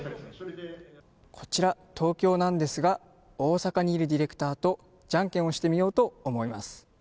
こちら、東京なんですが大阪にいるディレクターとじゃんけんをしてみようと思います。